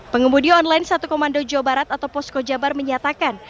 pengemudi online satu komando jawa barat atau posko jabar menyatakan